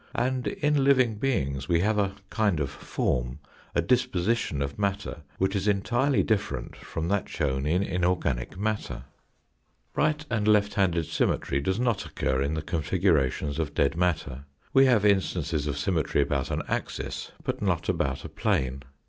And in living beings we have a kind of form, a disposition of matter which is entirely different from that shown in inorganic matter. 78 THE FOURTH DIMENSION Right and left handed symmetry does not occur in the configurations of dead matter. We have instances of symmetry about an axis, but not about a plane.